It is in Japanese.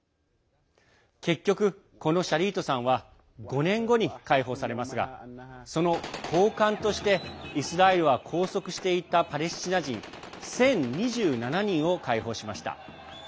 結局、このシャリートさんは５年後に解放されますがその交換としてイスラエルは拘束していたパレスチナ人１０２７人を解放しました。